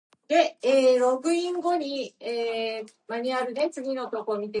Current festival director Geoff Ellis was involved from the start.